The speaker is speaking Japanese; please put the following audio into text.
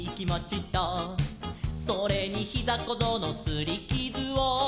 「それにひざこぞうのすりきずを」